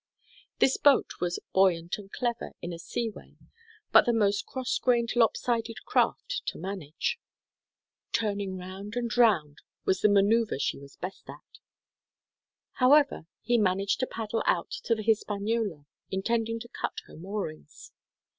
This boat was "buoyant and clever in a sea way, but the most cross grained, lopsided craft to manage. Turning round and round was the manœuvre she was best at." However, he managed to paddle out to the Hispaniola, intending to cut her moorings.